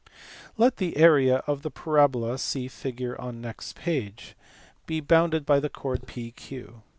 Let the area of the parabola (see figure on next page) be bounded by the chord PQ.